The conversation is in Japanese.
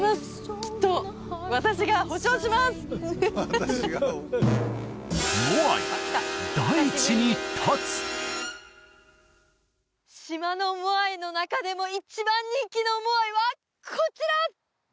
きっと島のモアイの中でも一番人気のモアイはこちら！